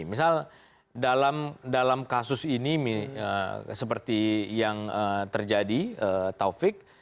misal dalam kasus ini seperti yang terjadi taufik